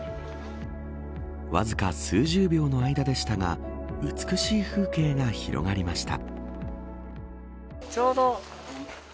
わずか数十秒の間でしたが美しい風景が広がりました。